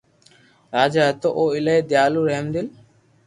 راجا ھتو او ايلائي ديالو رحمدل